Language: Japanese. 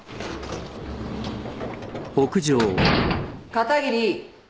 片桐。